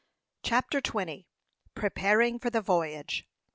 CHAPTER XX. PREPARING FOR THE VOYAGE.